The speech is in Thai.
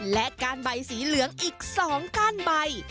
และก้านใบสีเหลืองอีก๒ก้านใบ